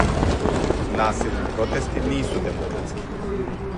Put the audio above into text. Насилни протести нису демократски.